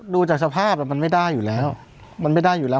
ดูจากสภาพมันไม่ได้อยู่แล้วมันไม่ได้อยู่แล้ว